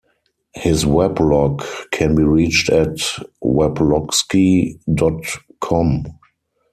His weblog can be reached at Weblogsky dot com.